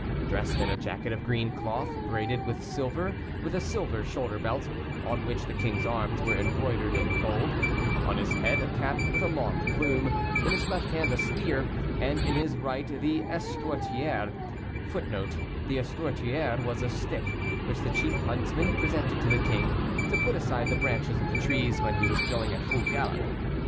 Dressed in a jacket of green cloth braided with silver, with a silver shoulder belt, on which the king's arms were embroidered in gold; on his head a cap with a long plume; in his left hand a spear, and in his right the éstortuaire [Footnote: The éstortuaire was a stick, which the chief huntsman presented to the king, to put aside the branches of the trees when he was going at full gallop.